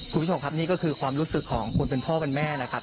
คุณผู้ชมครับนี่ก็คือความรู้สึกของคนเป็นพ่อเป็นแม่นะครับ